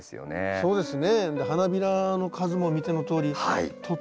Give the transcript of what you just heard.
そうですね。